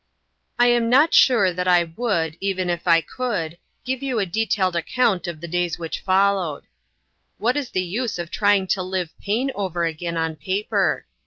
I AM not sure that I would, even if I could, give you a detailed account of the days which followed. What is the use of trying to live pain over again on paper